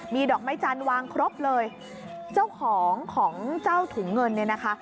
มีดอกไม้จันทร์วางครบเลยเจ้าของของเจ้าถุงเงินเนี่ยนะคะ